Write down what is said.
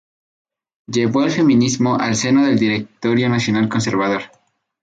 Llevó el feminismo al seno del Directorio Nacional Conservador.